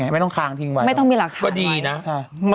แต่เราต้องตั้งเอาไว้ถูกไหม